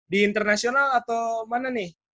di internasional atau mana nih